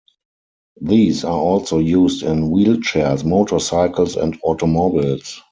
These are also used in wheelchairs, motorcycles, and automobiles.